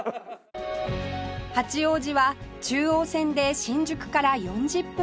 八王子は中央線で新宿から４０分ほど